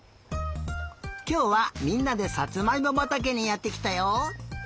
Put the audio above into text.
きょうはみんなでサツマイモばたけにやってきたよ。